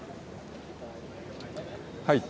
はい。